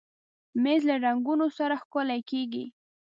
مېز له رنګونو سره ښکلی کېږي.